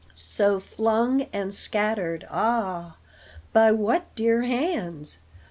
So, flung and scattered ah! by what dear hands?